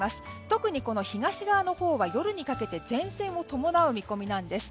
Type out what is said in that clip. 特に東側のほうが夜にかけて前線を伴う見込みです。